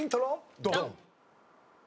ドン！